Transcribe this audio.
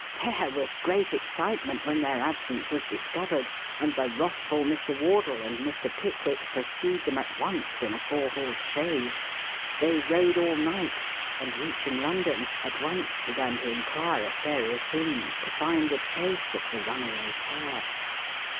There was great excitement when their absence was discovered, and the wrathful Mr. Wardle and Mr. Pickwick pursued them at once in a four horse chaise. They rode all night and, reaching London, at once began to inquire at various inns to find a trace of the runaway pair.